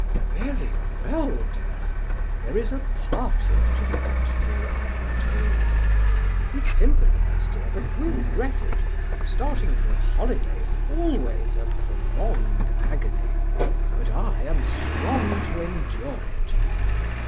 "Very well, dear. There is a parting to be got through, I am told. We sympathize, dear, but we regret it. Starting for a holiday is always a prolonged agony. But I am strong to endure it."